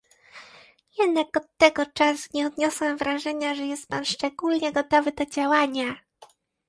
Jednak od tego czasu nie odniosłam wrażenia, że jest pan szczególnie gotowy do działania